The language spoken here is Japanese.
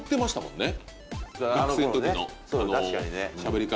確かにね。